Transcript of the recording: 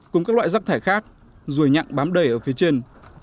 cùng các loại rác thải khác ruồi nhặn bám đầy ở phía trên